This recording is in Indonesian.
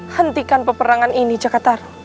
hentikan peperangan ini jakarta